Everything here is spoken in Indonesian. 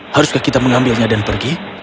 haruskah kita mengambilnya dan pergi